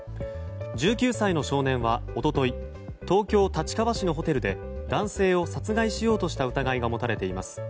１９歳の少年は一昨日東京・立川市のホテルで男性を殺害しようとした疑いが持たれています。